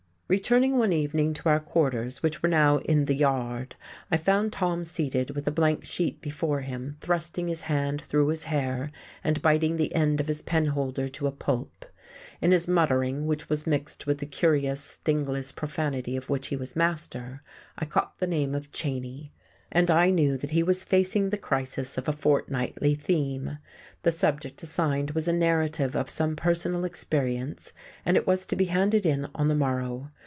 Returning one evening to our quarters, which were now in the "Yard," I found Tom seated with a blank sheet before him, thrusting his hand through his hair and biting the end of his penholder to a pulp. In his muttering, which was mixed with the curious, stingless profanity of which he was master, I caught the name of Cheyne, and I knew that he was facing the crisis of a fortnightly theme. The subject assigned was a narrative of some personal experience, and it was to be handed in on the morrow.